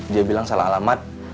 dia bilang salah alamat